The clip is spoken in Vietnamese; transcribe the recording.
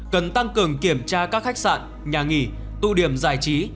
cần tăng cường kiểm tra các khách sạn nhà nghỉ tụ điểm giải trí